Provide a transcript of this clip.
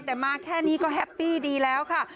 แต่มาแค่นี้ก็แฮปปี้ดีแล้วค่ะ